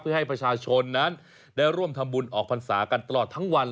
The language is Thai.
เพื่อให้ประชาชนนั้นได้ร่วมทำบุญออกพรรษากันตลอดทั้งวัน